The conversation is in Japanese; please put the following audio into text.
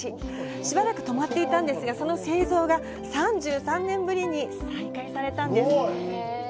しばらくとまっていたんですが、その製造が３３年ぶりに再開されたんです。